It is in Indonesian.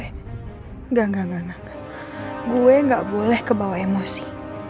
enggak enggak enggak gue gak boleh kebawa emosi